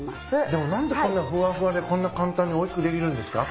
でも何でこんなふわふわでこんな簡単においしくできるんですか？